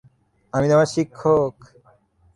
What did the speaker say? আমি তোমার শিক্ষক।